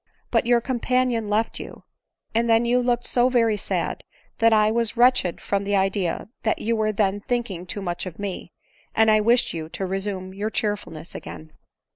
But your companion left you ; and then you looked so very sad, that I was wretched from the idea that you were then thinking too much of me, and I wished you to resume your cheerfulness again.